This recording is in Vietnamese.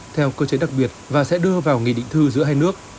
theo cơ chế đặc biệt và sẽ đưa vào nghị định thư giữa hai nước